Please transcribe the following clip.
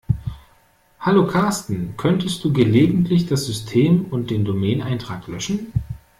Hallo Carsten, könntest du gelegentlich das System und den Domain-Eintrag löschen?